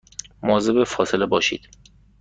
مواظب فاصله باشید